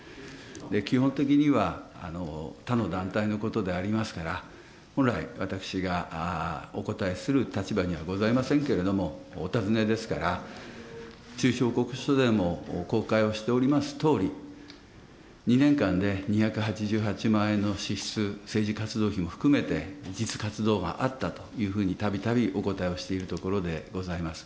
基本的には、他の団体のことでありますから、本来、私がお答えする立場にはございませんけれども、お尋ねですから、収支報告書でも公開をしておりますとおり、２年間で２８８万円の支出、政治活動費も含めて実活動があったというふうにたびたびお答えをしているところでございます。